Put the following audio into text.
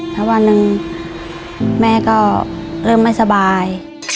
ถ้าวันหนึ่งแม่ก็เริ่มไม่สบาย